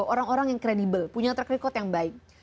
orang orang yang kredibel punya track record yang baik